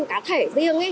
cá thể riêng ấy